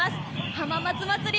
浜松まつり